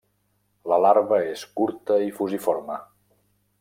La larva és curta i fusiforme.